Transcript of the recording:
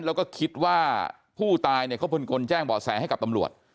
แล้วก็คิดว่าผู้ตายเนี่ยเขาเป็นคนแจ้งเบาะแสให้กับตำรวจ